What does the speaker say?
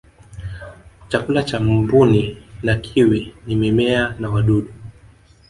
chakula cha mbuni na kiwi ni mimea na wadudu